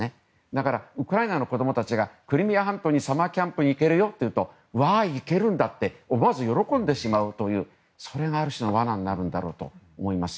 だから、ウクライナの子供たちがクリミア半島にサマーキャンプに行けるよというとわーい、行けるんだと思わず喜んでしまうというそれが、ある種の罠になるんだろうと思います。